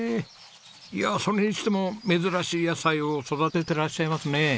いやそれにしても珍しい野菜を育ててらっしゃいますね。